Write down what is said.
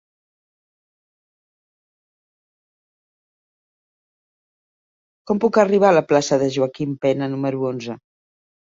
Com puc arribar a la plaça de Joaquim Pena número onze?